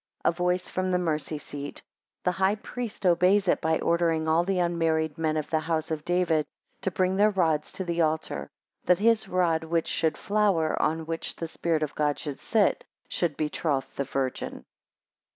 13 A voice from the mercy seat. 15 The high priest obeys it by ordering all the unmarried men of the house of David to bring their rods to the altar, 17 that his rod which should flower, and on which the Spirit of God should sit, should betroth the Virgin.